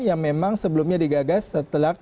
yang memang sebelumnya digagas setelah